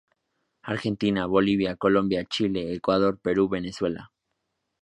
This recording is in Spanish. Argentina, Bolivia, Colombia, Chile, Ecuador, Perú, Venezuela.